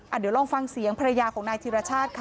เดี๋ยวลองฟังเสียงภรรยาของนายธิรชาติค่ะ